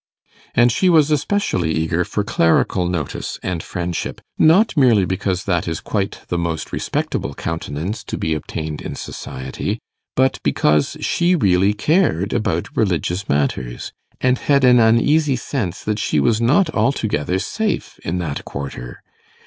And she was especially eager for clerical notice and friendship, not merely because that is quite the most respectable countenance to be obtained in society, but because she really cared about religious matters, and had an uneasy sense that she was not altogether safe in that quarter.